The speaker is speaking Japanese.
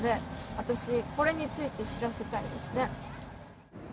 これについて知らせたいですね。